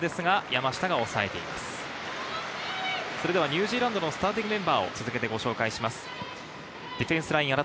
ニュージーランドのスターティングメンバーをご紹介します。